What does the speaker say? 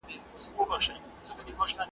معاصرې شاعرۍ نوې لارې یې پرانستلې.